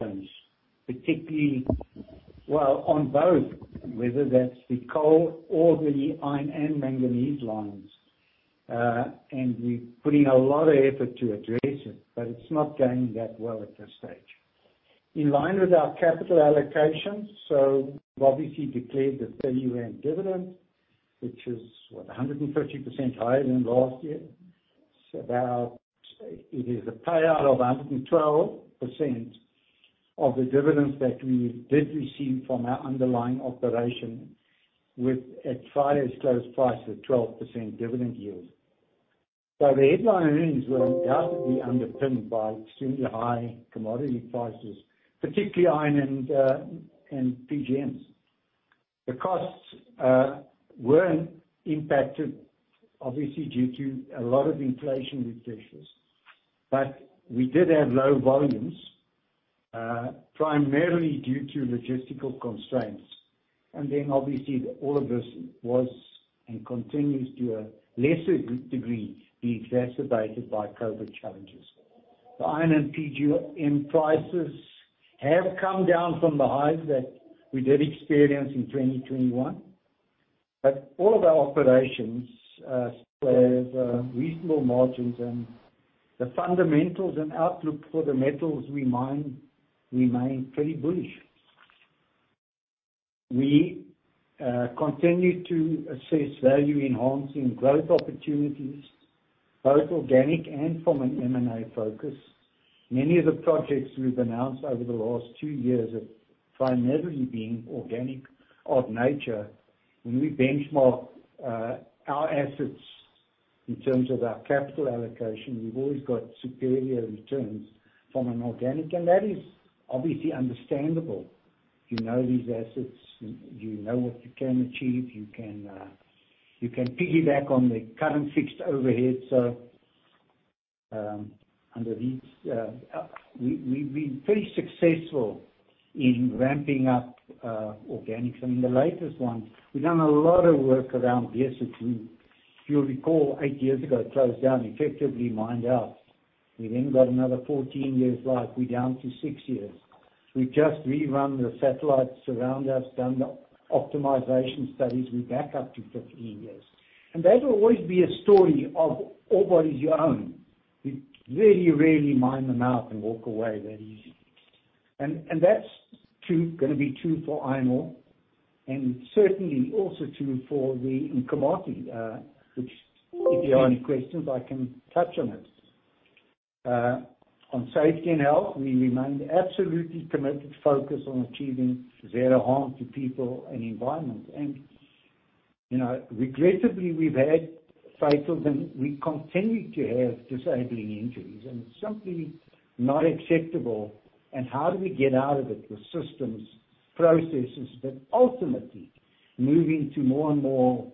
Those particularly well on both, whether those are the coal or the iron and manganese lines. We're putting a lot of effort to address it, but it's not going that well at this stage. In line with our capital allocations, we've obviously declared the 30 rand year-end dividend, which is what? 150% higher than last year. It is a payout of 112% of the dividends that we did receive from our underlying operation at Friday's close price of a 12% dividend yield. The headline earnings were undoubtedly underpinned by extremely high commodity prices, particularly iron and PGMs. The costs were impacted obviously due to a lot of inflation pressures, but we did have low volumes, primarily due to logistical constraints. Obviously all of this was and continues to a lesser degree to be exacerbated by COVID challenges. The iron and PGM prices have come down from the highs that we did experience in 2021, but all of our operations still have reasonable margins, and the fundamentals and outlook for the metals we mine remain pretty bullish. We continue to assess value-enhancing growth opportunities, both organic and from an M&A focus. Many of the projects we've announced over the last two years have primarily been organic in nature. When we benchmark our assets in terms of our capital allocation, we've always got superior returns from an organic source, and that is obviously understandable. You know these assets, you know what you can achieve. You can piggyback on the current fixed overhead. We've been pretty successful in ramping up organics. I mean, the latest one, we've done a lot of work around Beeshoek. If you'll recall, eight years ago, it closed down, effectively mined out. We got another 14 years of life, we're down to six years. We just reran the satellites around us and done the optimization studies. We're back up to 15 years. That will always be a story of ore bodies you own. You very rarely mine them out and walk away that easy. That's going to be true for iron ore and certainly also true for the Nkomati, which, if there are any questions, I can touch on. On safety and health, we remain absolutely committed, focused on achieving zero harm to people and the environment. Regrettably, we've had fatalities, and we continue to have disabling injuries, and it's simply not acceptable. How do we get out of it? The systems and processes are ultimately moving to more and more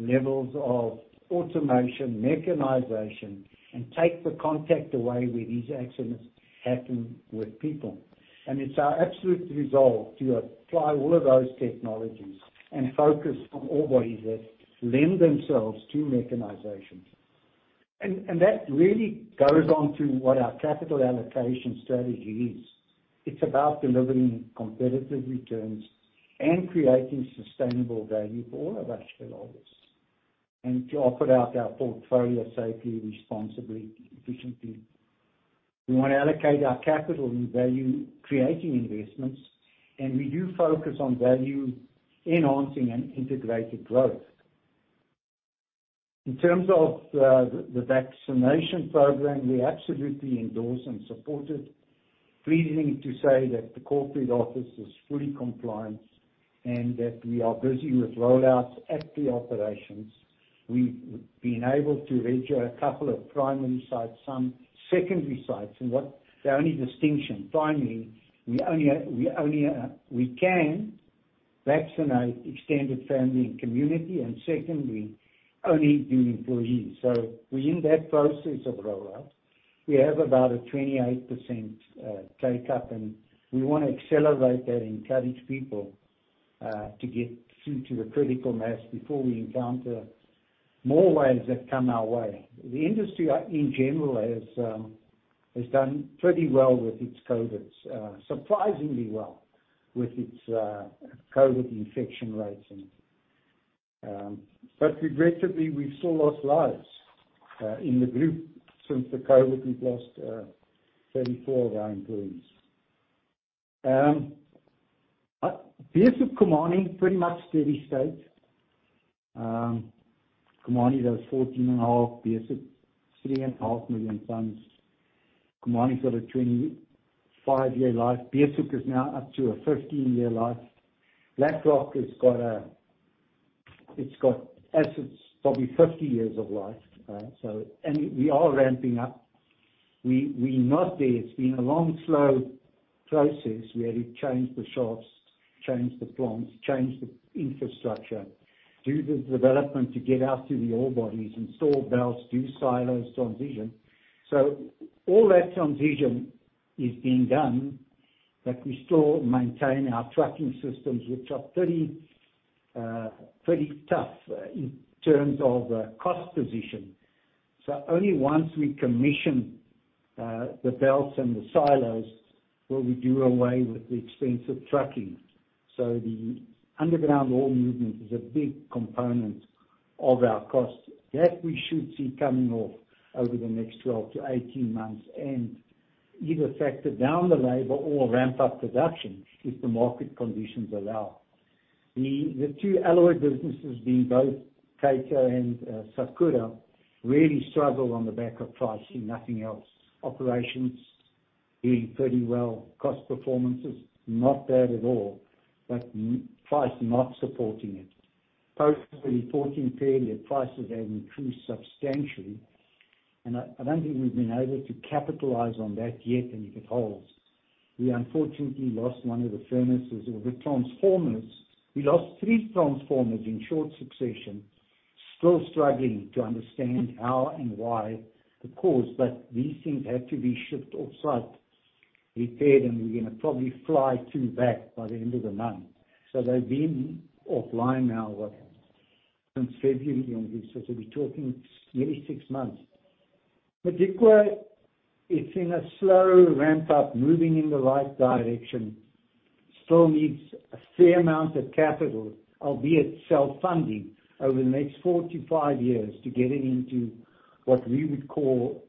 levels of automation and mechanization and taking the contact away where these accidents happen with people. It's our absolute resolve to apply all of those technologies and focus on ore bodies that lend themselves to mechanization. That really goes on to what our capital allocation strategy is. It's about delivering competitive returns and creating sustainable value for all of our shareholders and operating our portfolio safely, responsibly, and efficiently. We want to allocate our capital in value-creating investments, and we do focus on value-enhancing and integrated growth. In terms of the vaccination program, we absolutely endorse and support it. Pleasing to say that the corporate office is fully compliant and that we are busy with rollouts at the operations. We've been able to reach a couple of primary sites, some secondary sites. What the only distinction, primarily, we can vaccinate extended family and community, and secondly, only the employees. We're in that process of rollout. We have about a 28% take-up. We want to accelerate that, encouraging people to get through to the critical mass before we encounter more waves that come our way. The industry in general has done pretty well with COVID, surprisingly well with its COVID infection rates. Regrettably, we've still lost lives. In the group since COVID, we've lost 34 of our employees. Beeshoek, Khumani, pretty much steady state. Khumani does 14.5. Beeshoek, 3.5 million tons. Khumani's got a 25-year life. Beeshoek is now up to a 15-year life. Black Rock has got assets, probably 50 years of life. We are ramping up. We're not there. It's been a long slow process. We had to change the shafts, change the plants, change the infrastructure, do the development to get out to the ore bodies, install belts, and do silo transitions. All that transition is being done, but we still maintain our trucking systems, which are pretty tough in terms of cost position. Only once we commission the belts and the silos will we do away with the expensive trucking. The underground ore movement is a big component of our cost. That we should see coming off over the next 12-18 months and either factor down the labor or ramp up production if the market conditions allow. The two alloy businesses, Cato and Sakura, really struggle on the back of pricing, nothing else. Operations doing pretty well. Cost performance is not bad at all, but the price does not support it. Post the reporting period, prices have increased substantially, and I don't think we've been able to capitalize on that yet if it holds. We unfortunately lost one of the furnaces or the transformers. We lost three transformers in short succession. Still struggling to understand how and why it is the cause. These things have to be shipped offsite and repaired, and we're going to probably fly two back by the end of the month. They've been offline now for what, since February? We're talking nearly six months. Modikwa is in a slow ramp-up, moving in the right direction. Still needs a fair amount of capital, albeit self-funding, over the next four to five years to get it into what we would call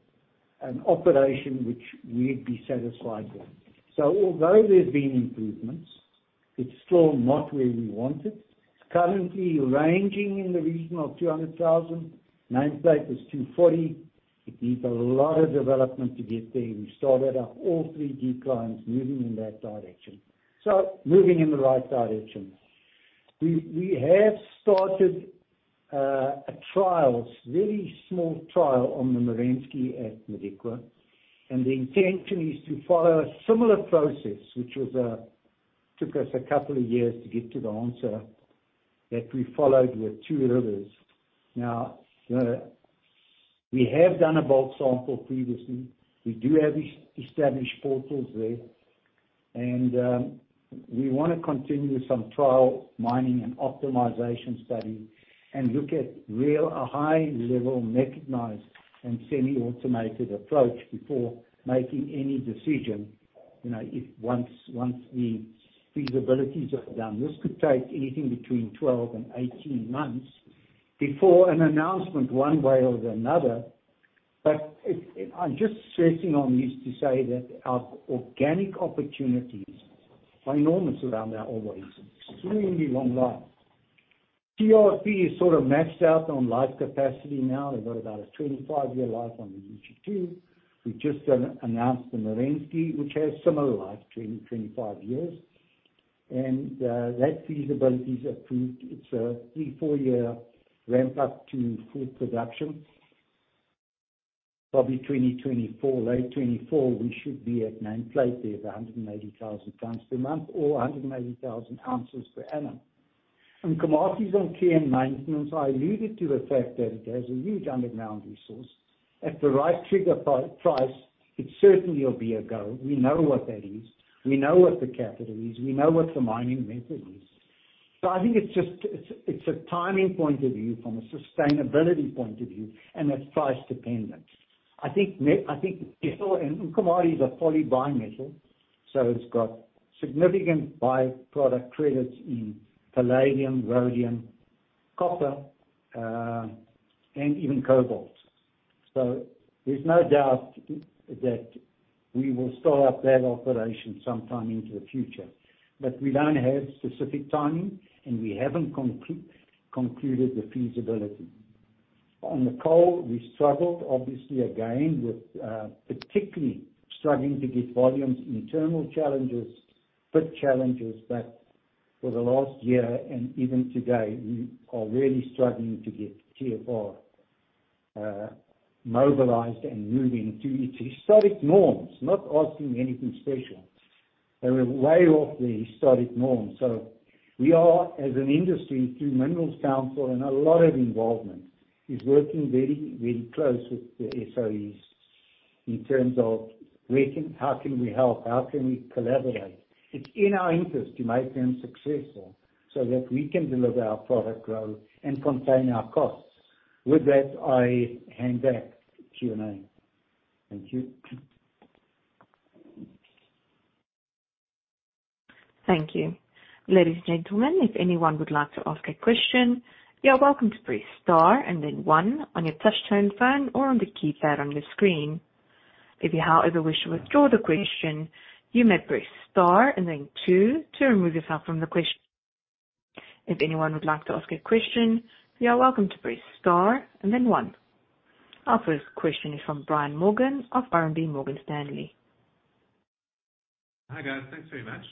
an operation that we'd be satisfied with. Although there's been improvement, it's still not where we want it. It's currently ranging in the region of 200,000. Nameplate is 240. It needs a lot of development to get there. We started up all three designs moving in that direction. Moving in the right direction. We have started trials, a very small trial on the Merensky at Modikwa, the intention is to follow a similar process, which took us a couple of years to get to the answer that we followed with Two Rivers. We have done a bulk sample previously. We do have established portals there, and we want to continue with some trial mining and optimization study and look at a high-level mechanized and semi-automated approach before making any decision. Once the feasibilities are done. This could take anything between 12 and 18 months before an announcement, one way or another. I'm just stressing this to say that our organic opportunities are enormous around our ore bodies, extremely long-life. TRP is sort of maxed out on life capacity now. They've got about a 25-year life on the UG2. We just announced the Merensky, which has a similar life, 20, 25 years, and that feasibility is approved. It's a three, four-year ramp-up to full production. Probably in 2024, late 2024, we should be at a nameplate of 180,000 tons per month or 180,000 ounces per year. Nkomati's under care and maintenance. I alluded to the fact that it has a huge underground resource. At the right trigger price, it certainly will be a go. We know what that is. We know what the capital is. We know what the mining method is. I think it's a timing point of view from a sustainability point of view, and that's price-dependent. I think nickel and Nkomati are polymetals; they've got significant byproduct credits in palladium, rhodium, copper, and even cobalt. There's no doubt that we will start up that operation sometime into the future. We don't have specific timing, and we haven't concluded the feasibility. On the coal, we struggled obviously again, particularly with getting volumes, internal challenges, and pit challenges. For the last year and even today, we are really struggling to get TFR mobilized and moving to its historic norms, not asking anything special. They were way off the historic norms. We are, as an industry, through the Minerals Council and a lot of involvement, working very closely with the SOEs in terms of how we can help and how we can collaborate. It's in our interest to make them successful so that we can deliver our product growth and contain our costs. With that, I hand back to Q&A. Thank you. Thank you. Ladies and gentlemen, if anyone would like to ask a question, you are welcome to press star and then one on your touch-tone phone or on the keypad on the screen. If you, however, wish to withdraw the question, you may press star and then two to remove yourself from the question. If anyone would like to ask a question, you are welcome to press star and then one. Our first question is from Brian Morgan of RMB Morgan Stanley. Hi, guys. Thanks very much.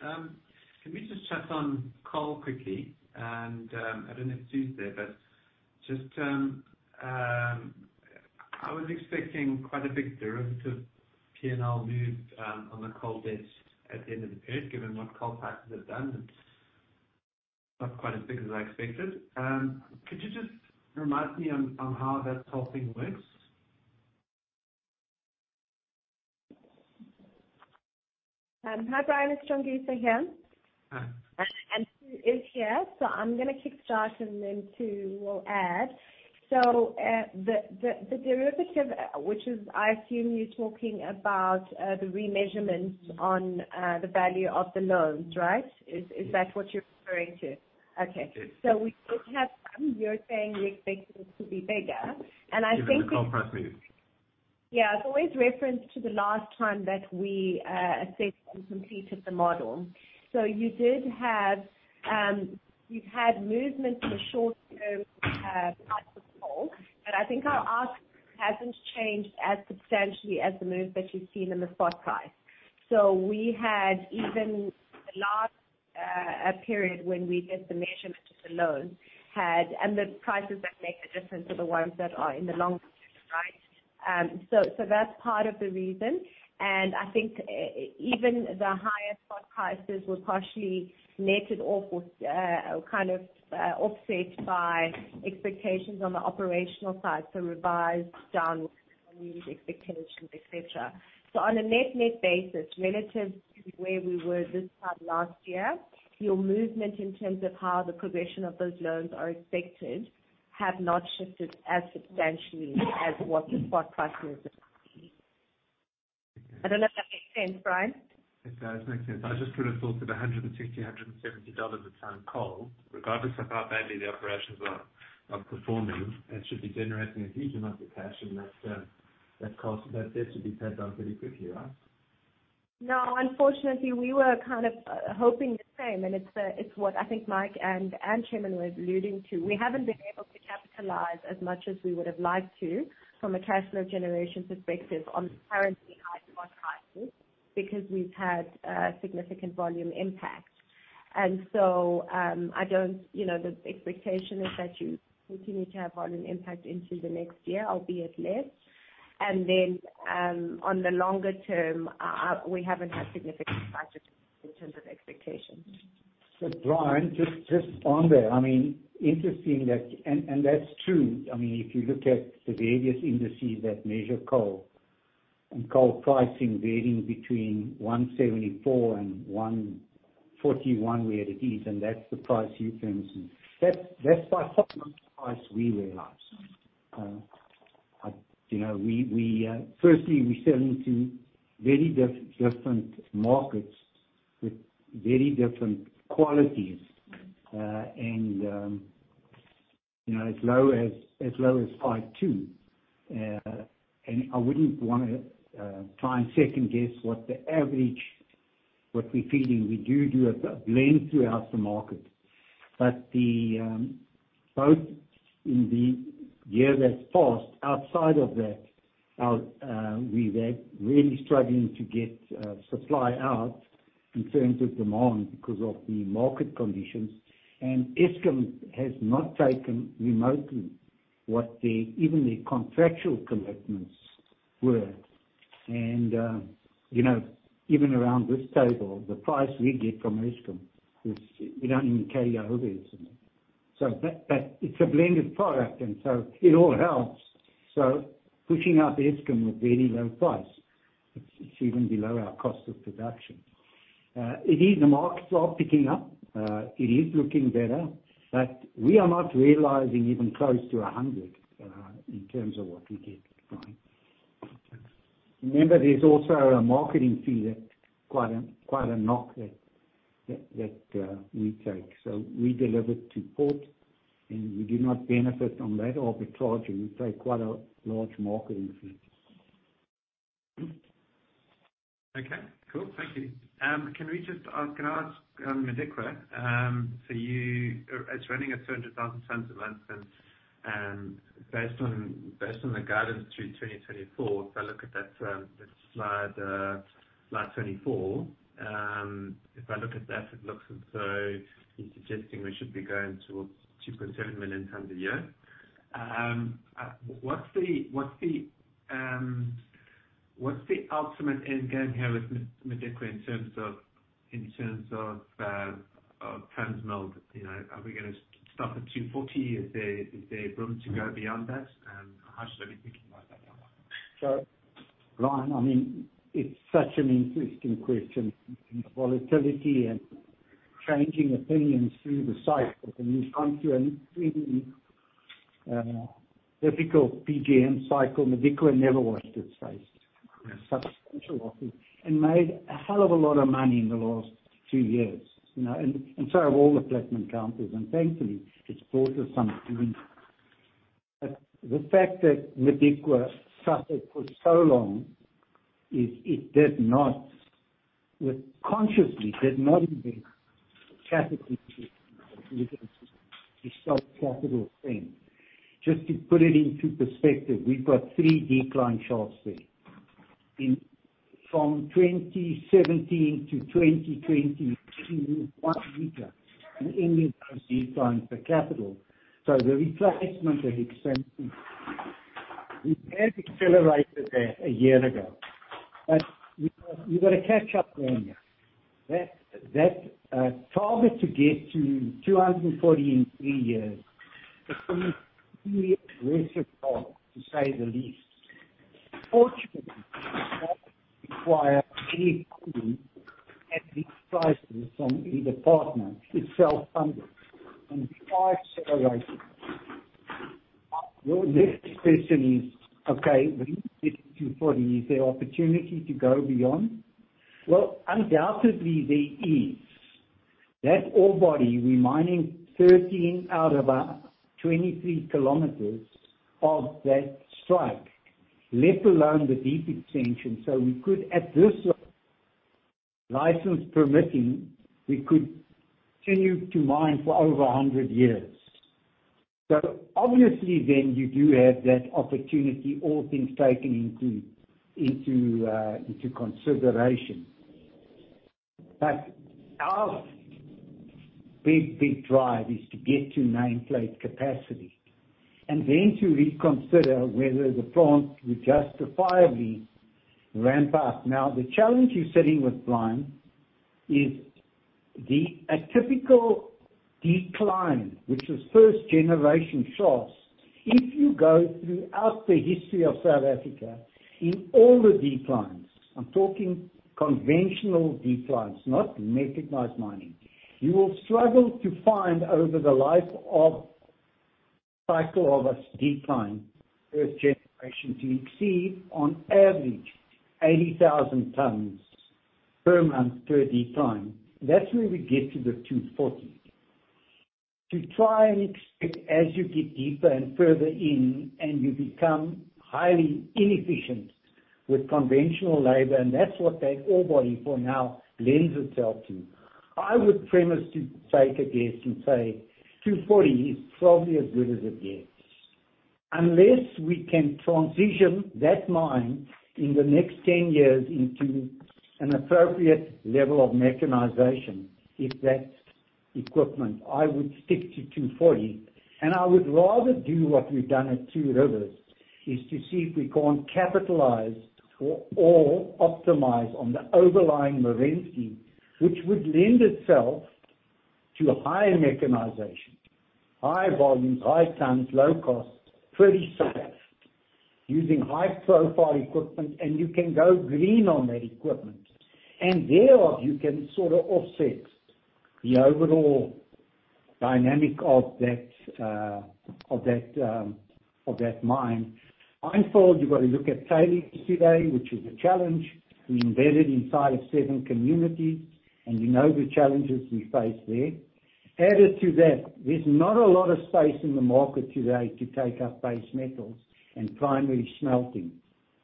Can we just chat on call quickly? I don't know if Sue's there, but I was expecting quite a big derivative P&L move on the coal debts at the end of the period, given what coal prices have done. It's not quite as big as I expected. Could you just remind me how that whole thing works? Hi, Brian. It's Tsundzukani Mhlanga here. Hi. Sue is here, so I'm going to kickstart, and then Sue will add. The derivative, which is—I assume you're talking about the remeasurement on the value of the loans, right? Is that what you're referring to? Okay. It is. We did have some. You're saying we expected it to be bigger. I think. Given the coal price move. Yeah. It's always referenced to the last time that we assessed and completed the model. I think our ask hasn't changed as substantially as the move that you've seen in the spot price. We had, even the last period when we did the measurement of the loans; and the prices that make the difference are the ones that are in the long term, right? That's part of the reason, and I think even the higher spot prices were partially netted off with, or kind of offset by, expectations on the operational side, so revised downwards on unit expectations, et cetera. On a net basis, relative to where we were this time last year, your movement in terms of how the progression of those loans is expected has not shifted as substantially as what the spot price movements would be. I don't know if that makes sense, Brian. It does make sense. I just would have thought that 160, ZAR 170 a ton of coal, regardless of how badly the operations are performing, should be generating a huge amount of cash and that debt should be paid down pretty quickly, right? No, unfortunately, we were kind of hoping the same, and it's what I think Mike and Chairman was alluding to. We haven't been able to capitalize as much as we would've liked to from a cash flow generation perspective on the currently high spot prices, because we've had a significant volume impact. The expectation is that you continue to have volume impact into the next year, albeit less. On the longer term, we haven't had significant changes in terms of expectations. Brian, just on there; interesting, that, and that's true. If you look at the various indices that measure coal, coal pricing varies between 174 and 141, depending on where it is, and that's the price you're referencing. That's by far not the price we realize. Firstly, we sell into very different markets with very different qualities, as low as ZAR 52. I wouldn't want to try and second guess what the average is, what we're feeding. We do a blend throughout the market. Both in the year that's passed and outside of that, we were really struggling to get supply out in terms of demand because of the market conditions. Eskom has not remotely fulfilled even their contractual commitments. Even around this table, the price we get from Eskom is such that we don't even carry our overheads. That is a blended product, and so it all helps. Pushing up Eskom with a very low price, it's even below our cost of production. The markets are picking up. It is looking better, but we are not realizing even close to 100 in terms of what we get, Brian. Remember, there's also a marketing fee that's quite a knock that we take. We deliver to port, and we do not benefit from that arbitrage, and we take quite a large marketing fee. Okay. Cool. Thank you. Can I ask about Modikwa? so it's running at 200,000 tons a month, and based on the guidance through 2024, if I look at slide 24, if I look at that, it looks as though you're suggesting we should be going towards 2.7 million tons a year. What's the ultimate end game here with Modikwa in terms of tons mined? Are we going to stop at 240? Is there room to go beyond that? How should I be thinking about that going forward? Brian, it's such an interesting question about the volatility and changing opinions through the cycle. We've gone through an extremely difficult PGM cycle. Modikwa never washed its face. Substantial losses. Made a hell of a lot of money in the last two years. And so have all the platinum counters, and thankfully, it's brought us some relief. The fact that Modikwa suffered for so long is that it did not, consciously, invest a CapEx, literally, to self-capitalize. Just to put it into perspective, we've got three decline shafts there. From 2017 to 2022, one week, and in those declines, the capital. The replacement and expansion we had accelerated a year ago. You've got to catch up then. That target to get to 240 in three years is an extremely aggressive target, to say the least. Fortunately, it does not require any funding at these prices from either partner. It's self-funded and five-star rated. Your next question is, okay, we need to get to 240. Is there opportunity to go beyond? Undoubtedly there is. That ore body, we're mining 13 out of about 23 kilometers of that strike, let alone the deep extension. We could, at this license permitting, continue to mine for over 100 years. Obviously, then you do have that opportunity, all things taken into consideration. Our big, big drive is to get to nameplate capacity and then to reconsider whether the plant would justifiably ramp up. The challenge you're sitting with Brian on is the atypical decline, which is first-generation shafts. If you go throughout the history of South Africa, in all the declines, I'm talking conventional declines, not mechanized mining, you will struggle to find, over the life cycle of a decline, first generation, to exceed on average 80,000 tons per month per decline. That's where we get to the 240. To try and expect as you get deeper and further in and you become highly inefficient with conventional labor, that's what that ore body for now lends itself to. I would premise my taking a guess and say 240 is probably as good as it gets. Unless we can transition that mine in the next 10 years into an appropriate level of mechanization, if that's equipment, I would stick to 240, I would rather do what we've done at Two Rivers, which is to see if we can capitalize or optimize on the overlying Merensky, which would lend itself to higher mechanization, high volumes, high tons, low cost, and pretty safe using high-profile equipment. You can go green on that equipment. Therefore, you can sort of offset the overall dynamic of that mine. Mindful, you've got to look at tailings today, which is a challenge. We are embedded inside a certain community, and you know the challenges we face there. Added to that, there's not a lot of space in the market today to take up base metals and primary smelting.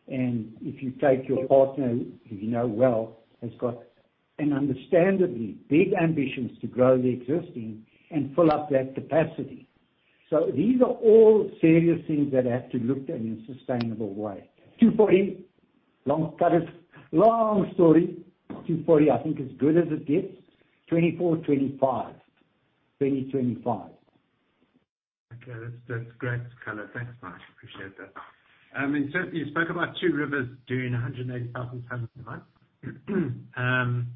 If you take your partner, whom you know well, they have got understandably big ambitions to grow the existing and fill up that capacity. These are all serious things that have to be looked at in a sustainable way. 240. Long story. 240. I think it's as good as it gets. 2024, 2025. Okay. That's great, color. Thanks much. Appreciate that. Certainly you spoke about Two Rivers doing 180,000 tons a month.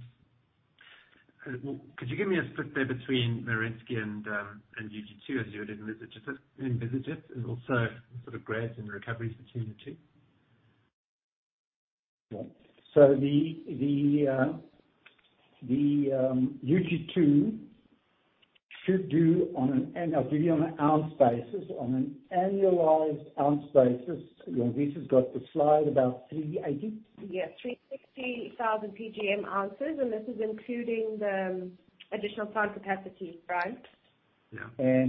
Could you give me a split there between Merensky and UG2 as you would envision it and also sort of grade and recovery for 2022? The UG2 should do what I'll give you on an ounce basis, on an annualized ounce basis. Lisa's got the slide at about 380. Yes, 360,000 PGM ounces, and this is including the additional plant capacity, right? Yeah.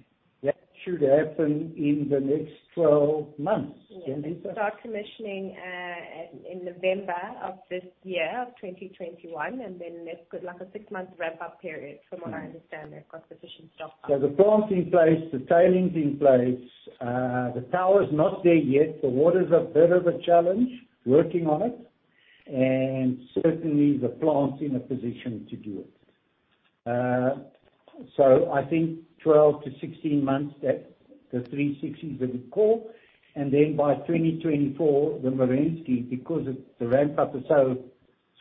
That should happen in the next 12 months. Yeah. Start commissioning in November of this year, 2021, and then it's like a six-month ramp-up period from what I understand. They've got sufficient stock. The plant's in place. The tailings in place. The power's not there yet. The water's a bit of a challenge. Working on it. Certainly, the plant's in a position to do it. I think 12 to 16 months, which is the 360 that we call. By 2024, the Merensky, because the ramp-up is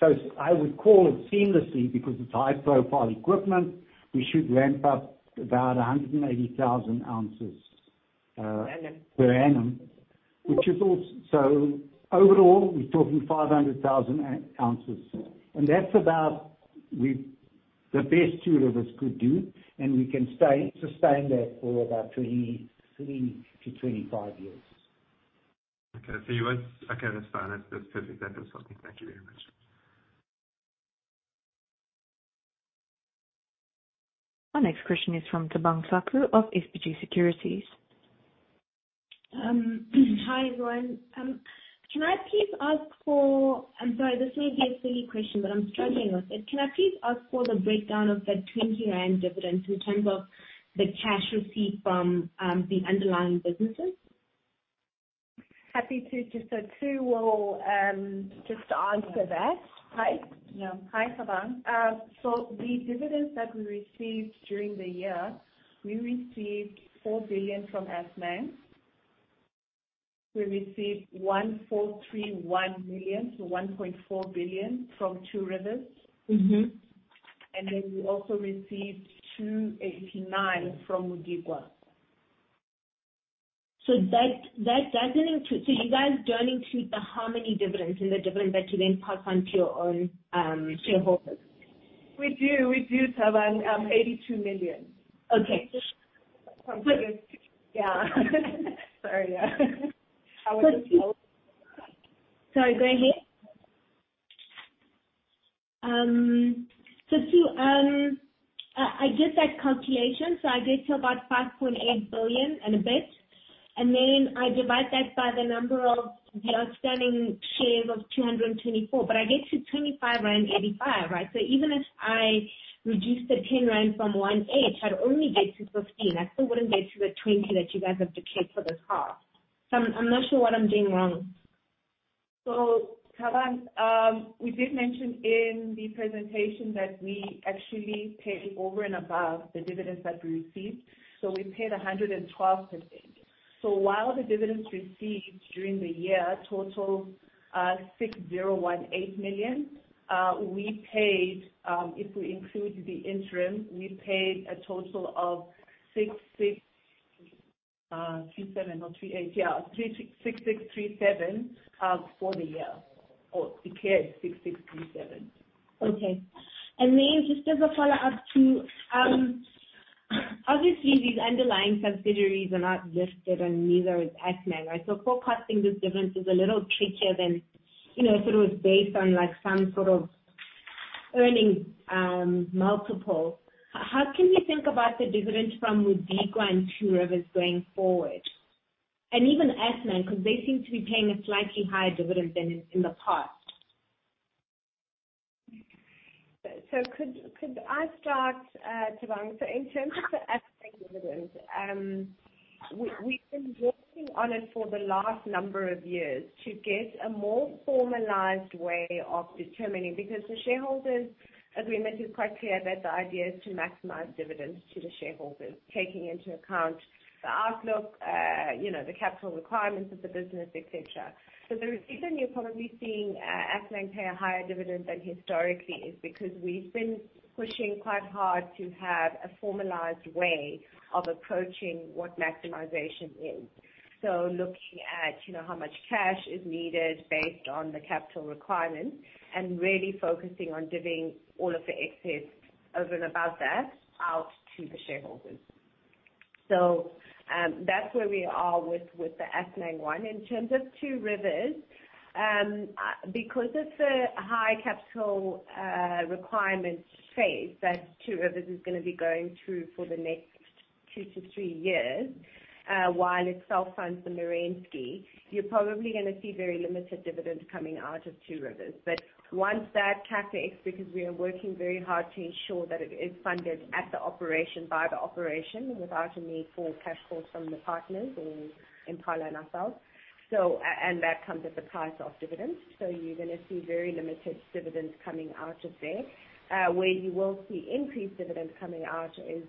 so—I would call it seamless because it's high-profile equipment. We should ramp up about 180,000 ounces. Per annum. per annum. Overall, we're talking 500,000 ounces. That's about the best Two Rivers could do. We can sustain that for about 23 to 25 years. Okay. That's fine. That's perfect. That was helpful. Thank you very much. Our next question is from Thabang Thlaku of SBG Securities. Hi, everyone. I'm sorry, this may be a silly question, but I'm struggling with it. Can I please ask for the breakdown of the 20 rand dividend in terms of the cash receipt from the underlying businesses? Happy to. Just so, Thabang, just to answer that. Hi. Yeah. Hi, Thabang. The dividends that we received during the year: we received 4 billion from Assmang. We received 1.431 billion, so 1.4 billion from Two Rivers. We also received 289 from Modikwa. You guys don't include the Harmony dividends in the dividend that you then pass on to your own shareholders? We do, Thabang. 82 million. Okay. From Two Rivers. Yeah. Sorry. Sorry, go ahead. I did that calculation. I get to about 5.8 billion and a bit, and then I divide that by the number of the outstanding shares of 224, and I get to 25.85 rand. Even if I reduce the 10 rand from 18, I'd only get to 15. I still wouldn't get to the 20 that you guys have declared for this half. I'm not sure what I'm doing wrong. Thabang, we did mention in the presentation that we actually pay over and above the dividends that we received. We paid 112%. While the dividends received during the year total 6.018 million, if we include the interim, we paid a total of 6.637 for the year, or declared 6.637. Just as a follow-up, obviously, these underlying subsidiaries are not listed, and neither is Assmang. Forecasting this dividend is a little trickier than if it were based on some sort of earnings multiple. How can we think about the dividends from Modikwa and Two Rivers going forward? Even Assmang, because it seems to be paying a slightly higher dividend than in the past. Could I start, Thabang? In terms of the Assmang dividend, we've been working on it for the last number of years to get a more formalized way of determining, because the shareholders' agreement is quite clear that the idea is to maximize dividends to the shareholders, taking into account the outlook, the capital requirements of the business, et cetera. The reason you're probably seeing Assmang pay a higher dividend than historically is because we've been pushing quite hard to have a formalized way of approaching what maximization is. Looking at how much cash is needed based on the capital requirements, and really focusing on giving all of the excess over and above that out to the shareholders. That's where we are with the Assmang one. In terms of Two Rivers, because of the high capital requirements phase that Two Rivers is going to be going through for the next two to three years, while it self-funds the Merensky, you're probably going to see very limited dividends coming out of Two Rivers. Once that CapEx, because we are working very hard to ensure that it is funded at the operation by the operation, without a need for cash calls from the partners or Impala and us. That comes at the price of dividends. You're going to see very limited dividends coming out of there. Where you will see increased dividends coming out is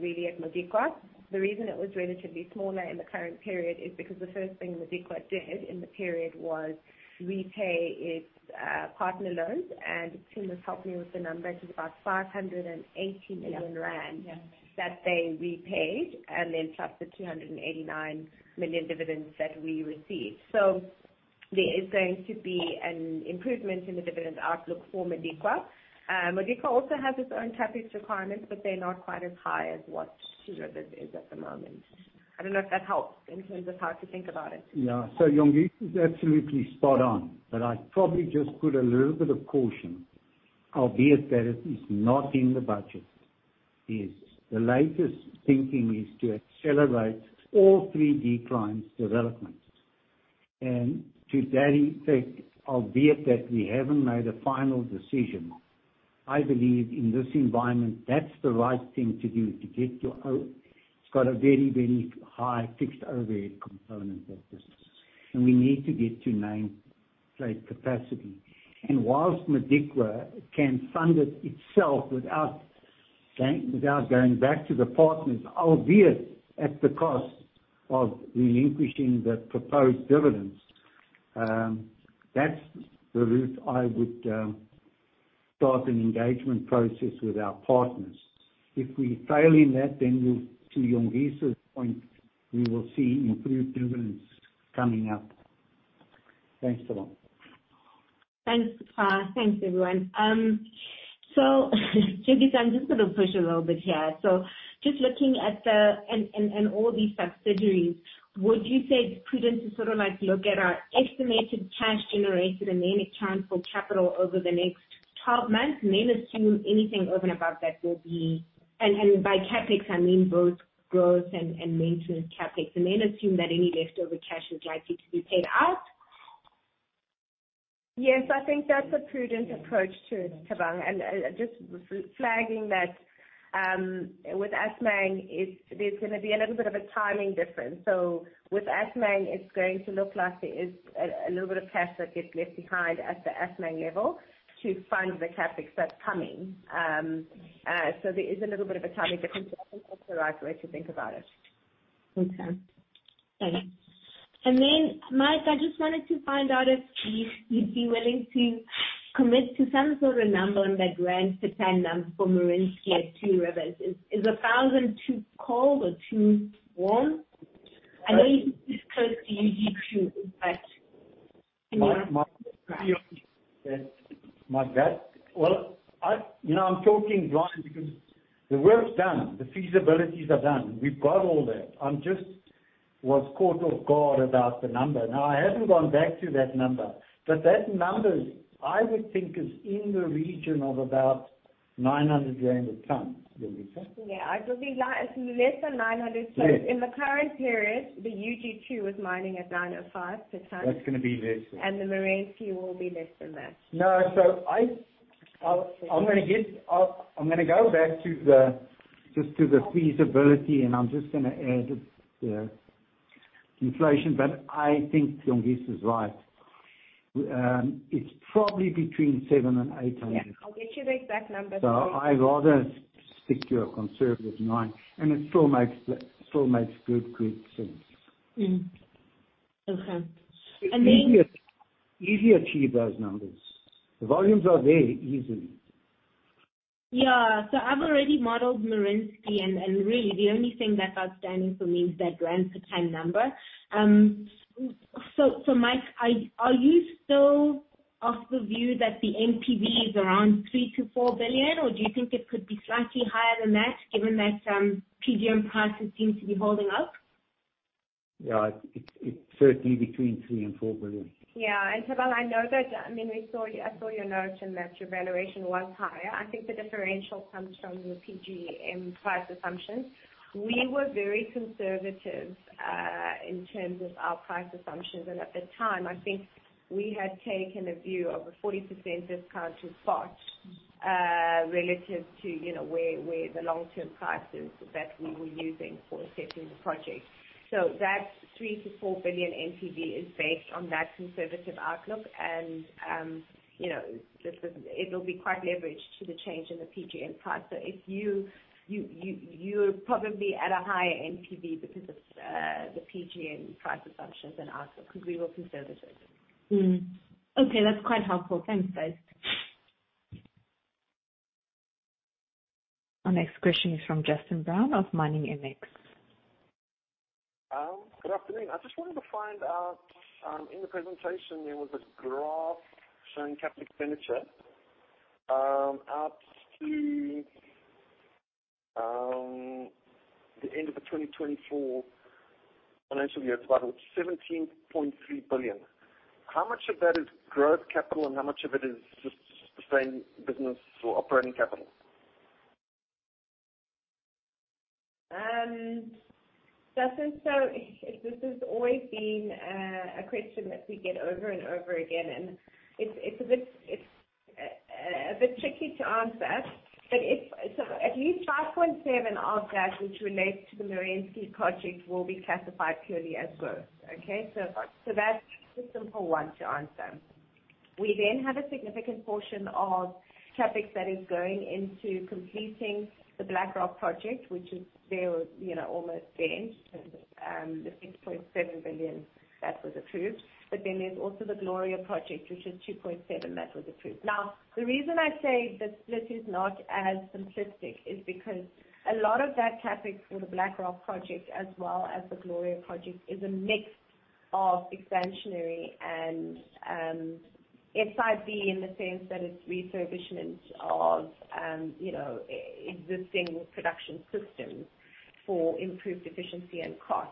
really at Modikwa. The reason it was relatively smaller in the current period is because the first thing Modikwa did in the period was repay its partner loans, and Tim has helped me with the numbers, it's about 580 million rand that they repaid, and then plus the 289 million dividends that we received. There is going to be an improvement in the dividend outlook for Modikwa. Modikwa also has its own CapEx requirements, but they're not quite as high as what Two Rivers is at the moment. I don't know if that helps in terms of how to think about it. Tsundzukani Mhlanga is absolutely spot on, but I'd probably just put a little bit of caution, albeit that it is not in the budget; the latest thinking is to accelerate all three declines' developments. To that effect, albeit that we haven't made a final decision, I believe in this environment that's the right thing to do to get to it; it's got a very, very high fixed overhead component of this. We need to get to nameplate capacity. While Modikwa can fund it itself without going back to the partners, albeit at the cost of relinquishing the proposed dividends, that's the route I would start an engagement process with our partners. If we fail in that, to Tsundzukani Mhlanga's point, we will see improved dividends coming. Thanks, Thabang. Thanks, Pa. Thanks, everyone. Tsundzukani, I'm just going to push a little bit here. Just looking at all these subsidiaries, would you say it's prudent to look at our estimated cash generated and then a chance for capital over the next 12 months and then assume anything over and above that, and by CapEx, I mean both growth and maintenance CapEx, and then assume that any leftover cash is likely to be paid out? Yes. I think that's a prudent approach too, Thabang. Just flagging that with Assmang, there's going to be a little bit of a timing difference. With Assmang, it's going to look like there is a little bit of cash that gets left behind at the Assmang level to fund the CapEx that's coming. There is a little bit of a timing difference, but I think that's the right way to think about it. Okay. Mike, I just wanted to find out if you'd be willing to commit to some sort of number on that gram per ton number for Merensky at Two Rivers. Is 1,000 too cold or too warm? I know it is close to UG2. Well, I'm talking blind because the work's done, the feasibilities are done. We've got all that. I just was caught off guard about the number. I haven't gone back to that number, but that number, I would think, is in the region of about 900 grams per ton, Tsundzukani. Yeah. It will be less than 900 tons. Yes. In the current period, the UG2 was mining at 905 per ton. That's going to be less. The Merensky will be less than that. No. I'm going to go back just to the feasibility, and I'm just going to add the inflation, but I think Tsundzukani Mhlanga is right. It's probably between 700 and 800. Yeah. I'll get you the exact numbers. I'd rather stick to a conservative nine, and it still makes good sense. Okay. Easily achieve those numbers. The volumes are there easily. I've already modeled Merensky, and really the only thing that's outstanding for me is that gram per tonne number. Mike, are you still of the view that the NPV is around 3 billion-4 billion, or do you think it could be slightly higher than that given that PGM prices seem to be holding up? Yeah. It's certainly between 3 billion and 4 billion. Thabang Thlaku, I know that, I saw your note and that your valuation was higher. I think the differential comes from your PGM price assumptions. We were very conservative in terms of our price assumptions. At the time, I think we had taken a view of a 40% discount to spot relative to where the long-term price was that we were using for assessing the project. That 3 billion-4 billion NPV is based on that conservative outlook, and it'll be quite leveraged to the change in the PGM price. You're probably at a higher NPV because of the PGM price assumptions than we are, because we were conservative. Okay. That's quite helpful. Thanks, guys. Our next question is from Justin Brown of Miningmx. Good afternoon. I just wanted to find out, in the presentation, there was a graph showing capital expenditure up to the end of the 2024 financial year. It's about 17.3 billion. How much of that is growth capital and how much of it is just sustaining business or operating capital? Justin, this has always been a question that we get over and over again, and it's a bit tricky to answer. At least 5.7 of that, which relates to the Merensky project, will be classified purely as growth. Okay? Right. That's the simple one to answer. We then have a significant portion of CapEx that is going into completing the BlackRock project, which is almost finished, the 6.7 billion that was approved. There's also the Gloria project, which is 2.7 billion, that was approved. The reason I say the split is not as simplistic is because a lot of that CapEx for the BlackRock project as well as the Gloria project is a mix of expansionary and SIB in the sense that it's the refurbishment of existing production systems for improved efficiency and cost.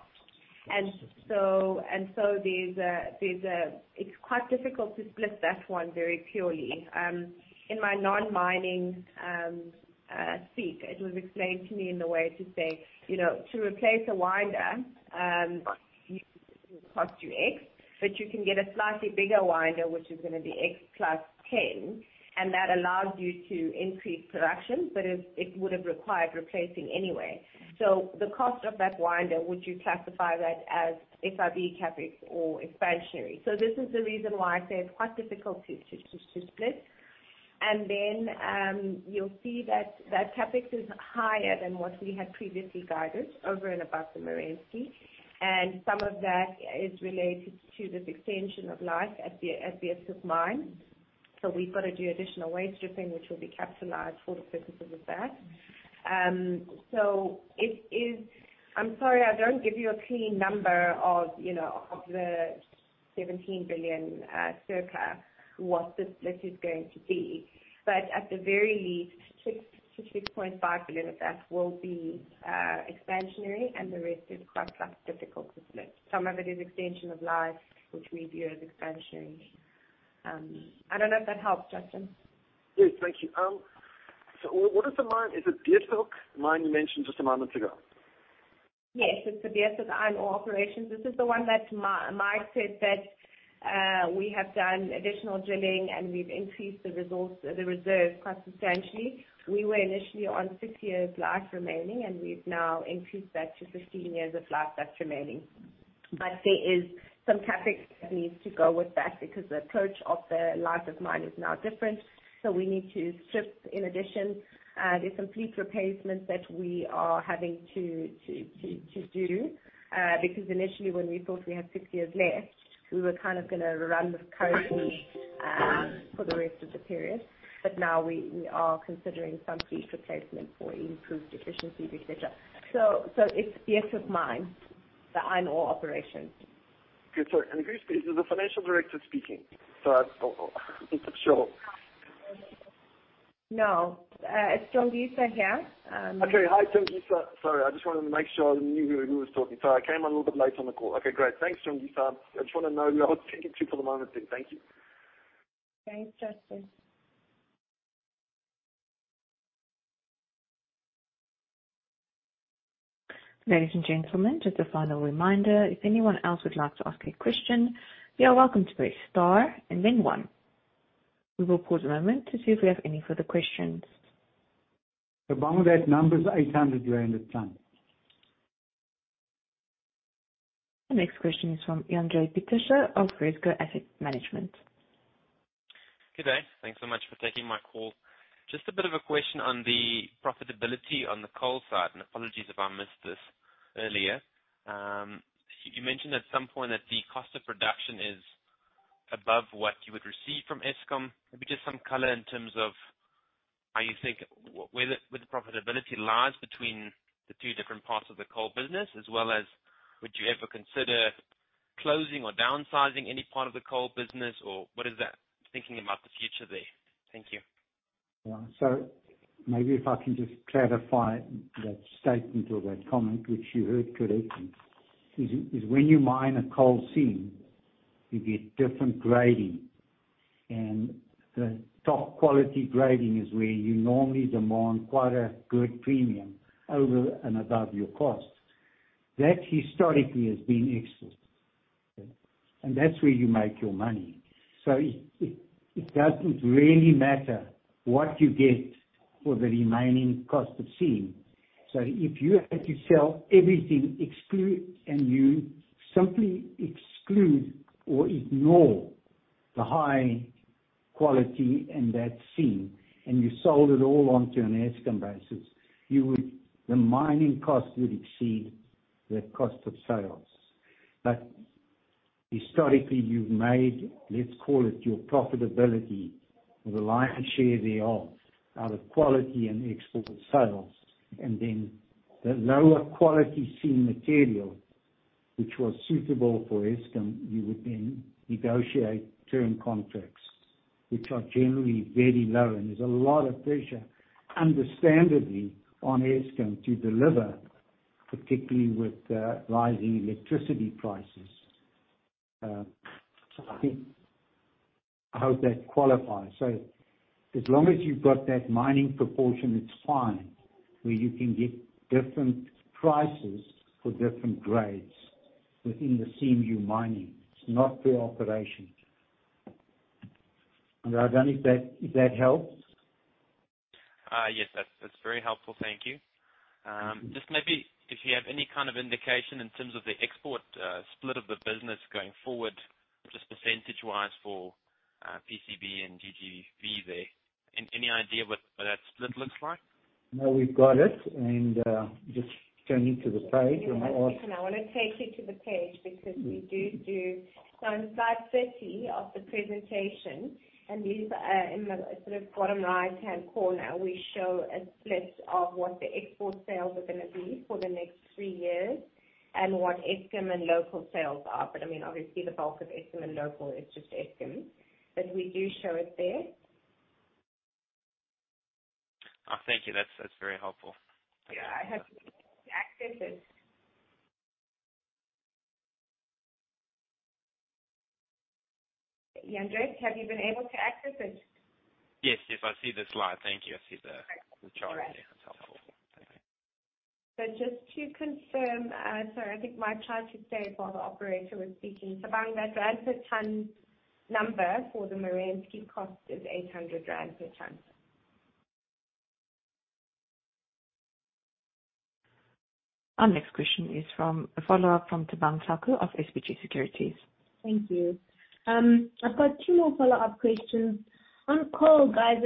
It's quite difficult to split that one very purely. In my non-mining speak, it was explained to me in a way to say, to replace a winder, it will cost you X, but you can get a slightly bigger winder, which is going to be X plus 10, and that allows you to increase production, but it would have required replacing anyway. The cost of that winder, would you classify that as SIB CapEx or expansionary? This is the reason why I say it's quite difficult to split. Then you'll see that that CapEx is higher than what we had previously guided over and above the Merensky, and some of that is related to this extension of life at the Beeshoek mine. We've got to do additional waste stripping, which will be capitalized for the purposes of that. I'm sorry I don't give you a clean number of the circa 17 billion or what the split is going to be. At the very least, 6 billion-6.5 billion of that will be expansionary and the rest is quite difficult to split. Some of it is extension of life, which we view as expansionary. I don't know if that helps, Justin. Yes, thank you. What is the mine? Is it Beeshoek, mine, you mentioned just a moment ago? Yes. It's the Beeshoek iron ore operation. This is the one that Mike said we have done additional drilling, and we've increased the reserves quite substantially. We were initially on six years of life remaining, and we've now increased that to 15 years of life that's remaining. There is some CapEx that needs to go with that because the approach to the life of mine is now different. We need to strip; in addition, there are some fleet replacements that we are having to do because initially, when we thought we had six years left, we were going to run the current for the rest of the period. Now we are considering some fleet replacement for improved efficiency, et cetera. It's the Beeshoek mine, the iron ore operation. Good. Sorry, is this the Financial Director speaking? I just want to make sure. No. It's Tsundzukani Mhlanga here. Okay. Hi, Tsundzukani Mhlanga. Sorry, I just wanted to make sure I knew who was talking. Sorry, I came on a little bit late on the call. Okay, great. Thanks, Tsundzukani Mhlanga. I just want to know who I was speaking to for the moment then. Thank you. Thanks, Justin. Ladies and gentlemen, just a final reminder: if anyone else would like to ask a question, you are welcome to press star one. We will pause a moment to see if we have any further questions. Thabang Thlaku, that number's ZAR 800, you understand? The next question is from Jandre Pretorius of Fairtree Asset Management. Good day. Thanks so much for taking my call. Just a bit of a question on the profitability on the coal side, and apologies if I missed this earlier. You mentioned at some point that the cost of production is above what you would receive from Eskom. Maybe just some color in terms of how you think, where the profitability lies between the two different parts of the coal business, as well as would you ever consider closing or downsizing any part of the coal business, or what is that thinking about the future there? Thank you. Maybe if I can just clarify that statement or that comment, which you heard correctly, when you mine a coal seam, you get different grading. The top quality grading is where you normally demand quite a good premium over and above your cost. That historically has been exported. That's where you make your money. It doesn't really matter what you get for the remaining cost of the seam. If you had to sell everything and you simply excluded or ignored the high quality in that seam, and you sold it all on an Eskom basis, the mining cost would exceed the cost of sales. Historically, you've made, let's call it, your profitability or the lion's share thereof, out of quality and export sales. The lower quality seam material, which was suitable for Eskom, would then be negotiated in term contracts, which are generally very low. There's a lot of pressure, understandably, on Eskom to deliver, particularly with the rising electricity prices. I think I hope that qualifies. As long as you've got that mining proportion, it's fine, where you can get different prices for different grades within the CMU mining. It's not through operations. I don't know if that helps. Yes, that's very helpful. Thank you. Just maybe if you have any kind of indication in terms of the export split of the business going forward, just percentage-wise for PCB and GGV there. Any idea what that split looks like? No, we've got it, just turning to the page— Hang on one second. I want to take you to the page because we do. On slide 30 of the presentation, in the bottom right-hand corner, we show a split of what the export sales are going to be for the next three years and what Eskom and local sales are. Obviously the bulk of Eskom and local is just Eskom. We do show it there. Oh, thank you. That's very helpful. Yeah, I have to access it. Jandre, have you been able to access it? Yes, I see the slide. Thank you. I see the chart there. That's helpful. Thank you. Just to confirm, sorry, I think my chart had stayed static while the operator was speaking. Thabang Thlaku, that ZAR per tonne number for the Merensky cost is 800 rand per tonne. Our next question is a follow-up from Thabang Thlaku of SBG Securities. Thank you. I've got two more follow-up questions. On coal, guys,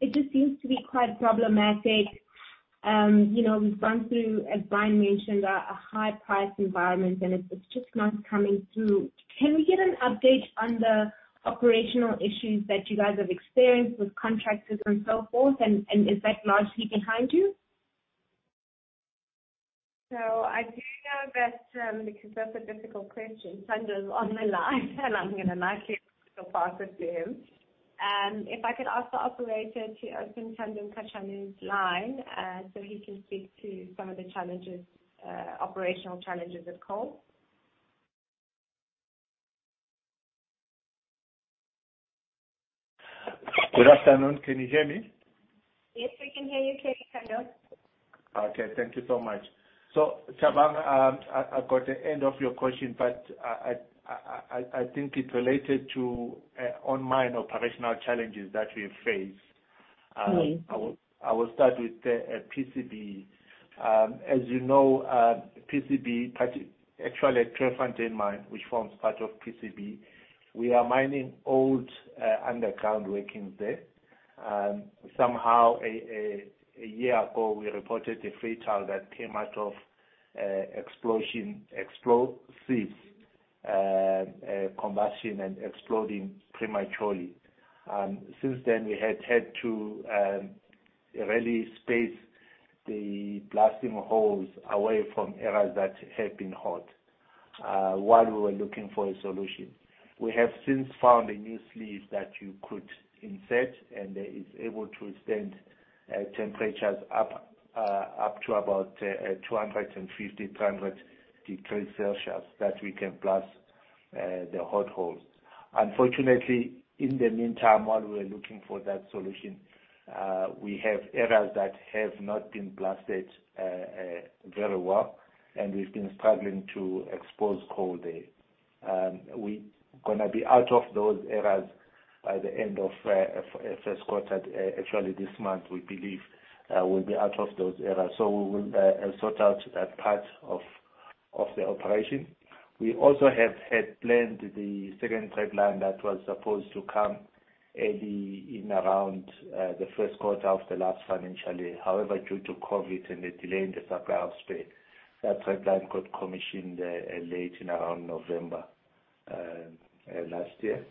it just seems to be quite problematic. We've gone through, as Brian mentioned, a high-price environment, and it's just not coming through. Can we get an update on the operational issues that you guys have experienced with contractors and so forth, and is that largely behind you? I do know that, because that's a difficult question, Thando's on the line, and I'm going to nicely pass it to him. If I could, I would ask the operator to open Thando Mkatshana's line so he can speak to some of the operational challenges with coal. Good afternoon. Can you hear me? Yes, we can hear you clearly, Thando. Thank you so much. Thabang Thlaku, I got the end of your question, but I think it relates to our operational challenges that we face. I will start with the PCB. As you know, PCB, actually Tweefontein Mine, which forms part of PCB, is mining old underground workings there. Somehow, a year ago, we reported a fatality that came out of an explosives combusting, and exploding prematurely. Since then, we had to really space the blasting holes away from areas that had been hot while we were looking for a solution. We have since found a new sleeve that you could insert and is able to withstand temperatures up to about 250, 300 degrees Celsius so that we can blast the hot holes. Unfortunately, in the meantime, while we were looking for that solution, we have areas that have not been blasted very well, and we've been struggling to expose coal there. We're going to be out of those areas by the end of the first quarter; actually, this month, we believe we'll be out of those areas. We will sort out that part of the operation. We also had planned the second pipeline that was supposed to come early around the first quarter of the last financial year. Due to COVID and the delay in the supply of spares, that pipeline got commissioned late, around November last year.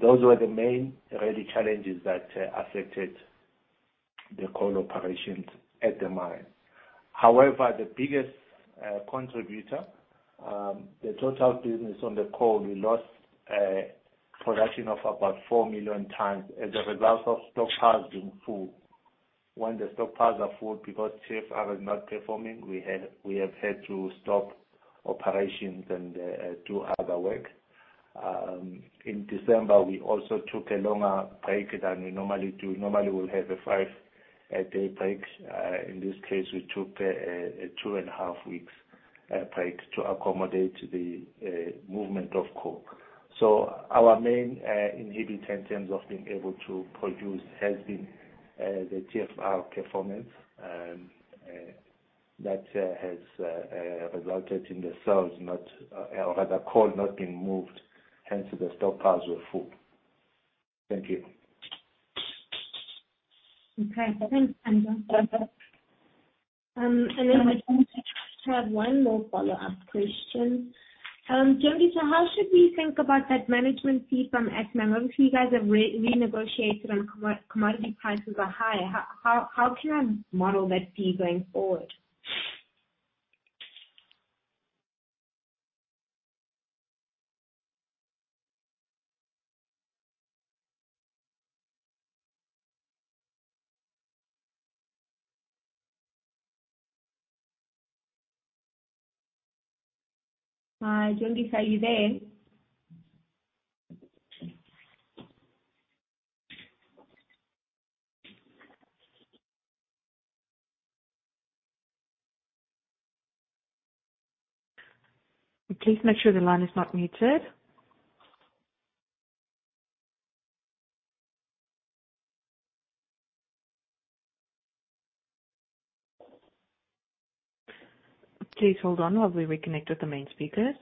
Those were the main early challenges that affected the coal operations at the mine. The biggest contributor, the total business on the coal, we lost production of about four million tons as a result of stockpiles being full. When the stockpiles are full, because TFR is not performing, we have had to stop operations and do other work. In December, we also took a longer break than we normally do. Normally, we'll have a five-day break. In this case, we took a two-and-a-half-week break to accommodate the movement of coal. Our main inhibitor in terms of being able to produce has been the TFR performance that has resulted in the sales not, or rather, coal not being moved; hence, the stockpiles were full. Thank you. [inaudible] I just have one more follow-up question. Tsundzukani Mhlanga, how should we think about that management fee from Assmang? Obviously, you guys have renegotiated, and commodity prices are high. How can I model that fee going forward? Tsundzukani Mhlanga, are you there? Please make sure the line is not muted. Please hold on while we reconnect with the main speakers.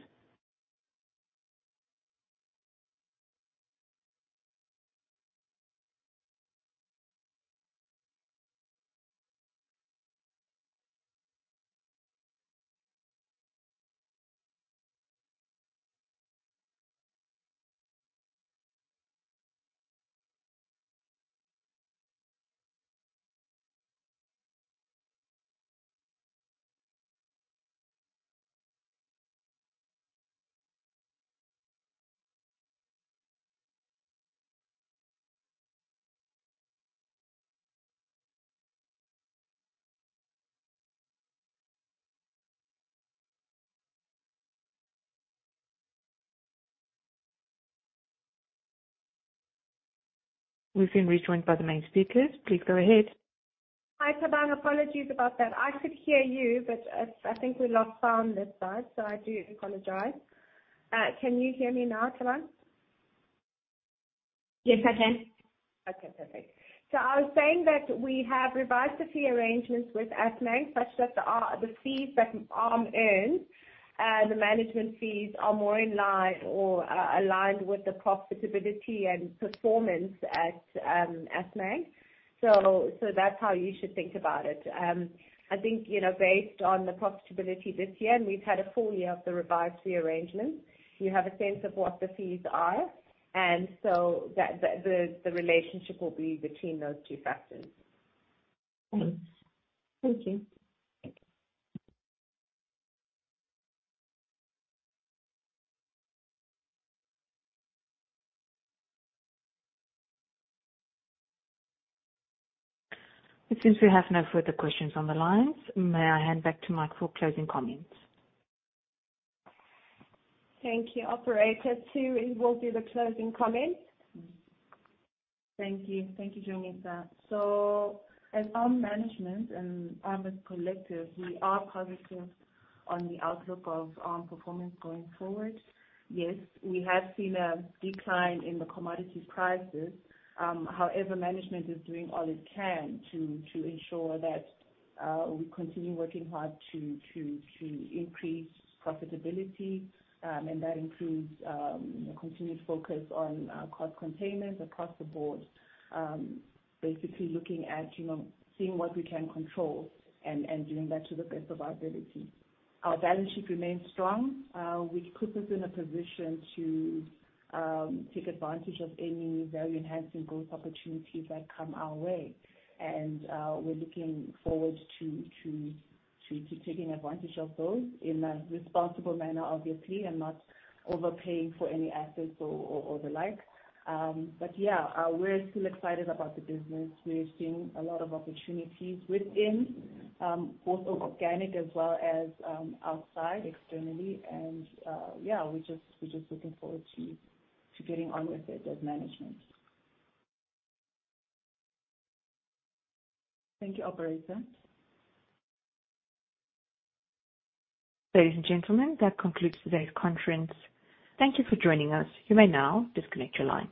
We've been rejoined by the main speakers. Please go ahead. Hi, Thabang Thlaku. Apologies about that. I could hear you, but I think we lost sound this side, so I do apologize. Can you hear me now? Thabang? Yes, I can. Okay, perfect. I was saying that we have revised the fee arrangements with Assmang such that the fees that ARM earns, the management fees, are more in line or are aligned with the profitability and performance at Assmang. That's how you should think about it. I think, based on the profitability this year and the fact that we've had a full year of the revised fee arrangements, you have a sense of what the fees are and the relationship will be between those two factors. Thanks. Thank you. Thank you. It seems we have no further questions on the line. May I hand it back to Mike for closing comments? Thank you, operator. [inaudible] will be the closing comments? Thank you. Thank you, Tsundzukani Mhlanga. As ARM management and ARM as a collective, we are positive on the outlook of ARM performance going forward. Yes, we have seen a decline in the commodity prices. However, management is doing all it can to ensure that we continue working hard to increase profitability, and that includes continued focus on cost containment across the board. Basically looking at seeing what we can control and doing that to the best of our ability. Our balance sheet remains strong, which puts us in a position to take advantage of any value-enhancing growth opportunities that come our way. We're looking forward to taking advantage of those in a responsible manner, obviously, and not overpaying for any assets or the like. Yeah, we're still excited about the business. We're seeing a lot of opportunities within, both organically and outside externally. Yeah, we're just looking forward to getting on with it as management. Thank you, operator. Ladies and gentlemen, that concludes today's conference. Thank you for joining us. You may now disconnect your lines.